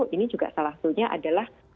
ini juga salah satunya adalah